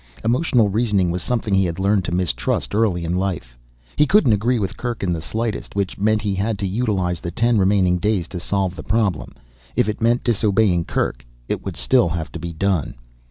Emotional reasoning was something he had learned to mistrust early in life. He couldn't agree with Kerk in the slightest which meant he had to utilize the ten remaining days to solve the problem. If it meant disobeying Kerk, it would still have to be done.